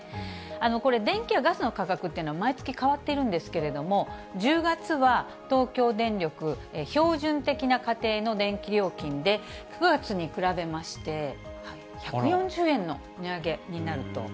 これ、電気やガスの価格というのは、毎月変わってるんですけれども、１０月は、東京電力、標準的な家庭の電気料金で９月に比べまして、１４０円の値上げになると。